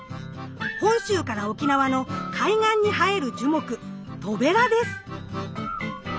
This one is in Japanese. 本州から沖縄の海岸に生える樹木トベラです。